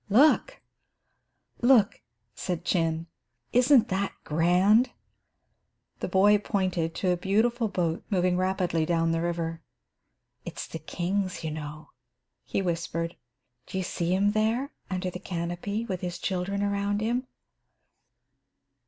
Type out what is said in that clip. "Look, look," said Chin, "isn't that grand?" The boy pointed to a beautiful boat moving rapidly down the river. "It is the king's, you know," he whispered. "Do you see him there under the canopy, with his children around him?"